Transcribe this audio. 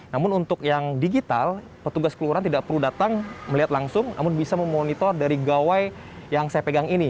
namun untuk yang digital petugas kelurahan tidak perlu datang melihat langsung namun bisa memonitor dari gawai yang saya pegang ini